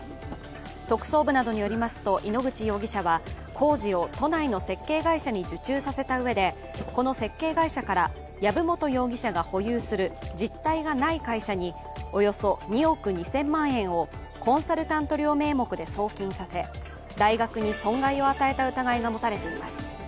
特捜部などによりますと井ノ口容疑者は、工事を都内の設計会社に受注させた上でこの設計会社から籔本容疑者が保有する実体がない会社におよそ２億２０００万円をコンサルタント料名目で送金させ大学に損害を与えた疑いが持たれています。